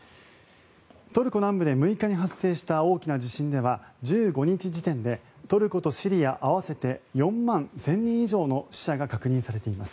トルコ南部で６日に発生した大きな地震では１５日時点でトルコとシリア合わせて４万１０００人以上の死者が確認されています。